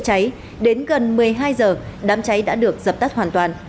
khi gần một mươi hai giờ đám cháy đã được dập tắt hoàn toàn